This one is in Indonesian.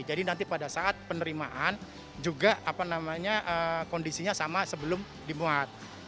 jadi nanti pada saat penerimaan juga kondisinya sama sebelum dimuat